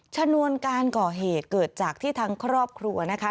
ชนวนการก่อเหตุเกิดจากที่ทางครอบครัวนะคะ